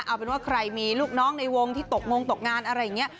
เอาเป็นว่าใครมีลูกน้องในวงที่ตกงงตกงานอะไรอย่างนี้